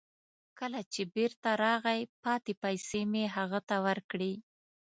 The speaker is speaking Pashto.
کله چې بیرته راغی، پاتې پیسې مې هغه ته ورکړې.